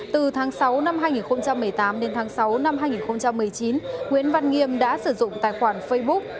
từ tháng sáu năm hai nghìn một mươi tám đến tháng sáu năm hai nghìn một mươi chín nguyễn văn nghiêm đã sử dụng tài khoản facebook